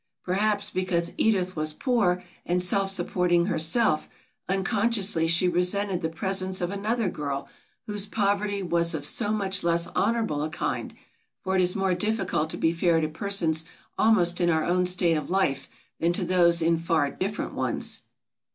Perhaps because Edith was poor and self supporting herself, unconsciously she resented the presence of another girl whose poverty was of so much less honorable a kind, for it is more difficult to be fair to persons almost in our own state of life than to those in far different ones.